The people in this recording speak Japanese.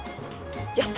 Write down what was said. やった！